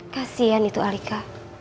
kasian itu alika